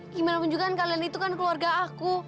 gimanapun juga kalian itu kan keluarga aku